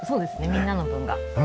みんなの分が。